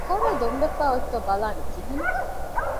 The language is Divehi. ކަރާ ދޮންވެފައި އޮތްތޯ ބަލާނީ ކިހިނެއް؟